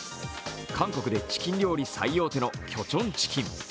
韓国でチキン料理最大手のキョチョンチキン。